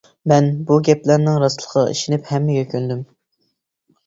مەن بۇ گەپلەرنىڭ راستلىقىغا ئىشىنىپ، ھەممىگە كۆندۈم.